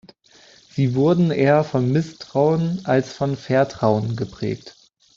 Sie wurden eher von Misstrauen als von Vertrauen geprägt.